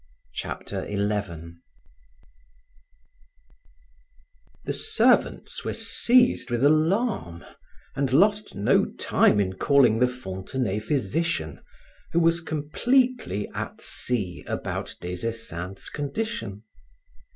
Chapter 11 The servants were seized with alarm and lost no time in calling the Fontenay physician who was completely at sea about Des Esseintes' condition.